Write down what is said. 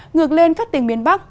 ngược lên các tỉnh miền bắc